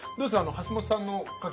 橋本さんのカキ